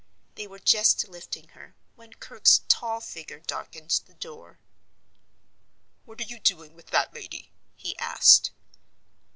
They were just lifting her, when Kirke's tall figure darkened the door. "What are you doing with that lady?" he asked.